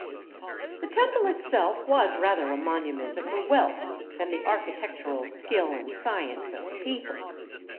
The Temple itself was rather a monument of the wealth than the architectural skill and science of the people.